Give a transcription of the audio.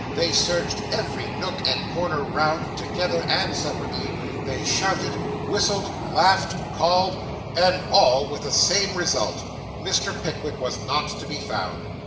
They searched every nook and corner round, together and separately; they shouted, whistled, laughed, called and all with the same result. Mr. Pickwick was not to be found.